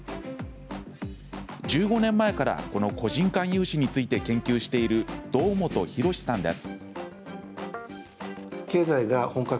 １５年前からこの個人間融資について研究している堂下浩さんです。